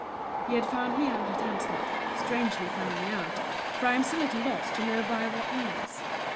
He had found me out at Hampstead: strangely found me out; for I am still at a loss to know by what means.